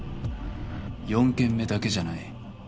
４件目だけじゃない。